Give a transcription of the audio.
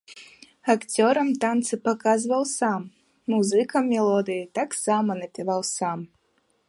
Акцёрам танцы паказваў сам, музыкам мелодыя таксама напяваў сам.